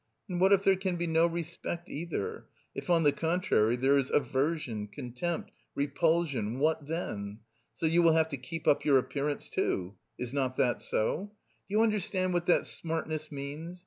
And what if there can be no respect either, if on the contrary there is aversion, contempt, repulsion, what then? So you will have to 'keep up your appearance,' too. Is not that so? Do you understand what that smartness means?